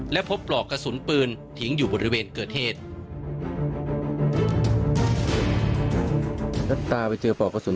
และพบปลอกกระสุนปืนทิ้งอยู่บริเวณเกิดเหตุ